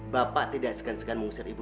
bapak tidak segan segan mengusir ibu